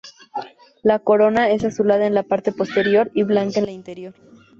La corona es azulada en la parte posterior y blanca en la anterior.